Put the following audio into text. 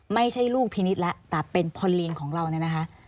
ไม่ใช่ลูกพินิษฐ์แล้วแต่เป็นพอลีนของเราเนี่ยนะคะ